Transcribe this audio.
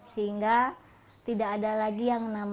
sehingga tidak ada lagi yang bisa membuat saya merasa terlalu baik